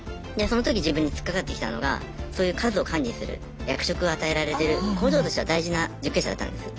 その時自分に突っかかってきたのがそういう数を管理する役職を与えられてる工場としては大事な受刑者だったんです。